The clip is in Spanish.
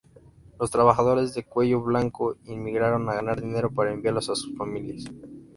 Los trabajadores de cuello blanco inmigraron a ganar dinero para enviarlo a sus familias.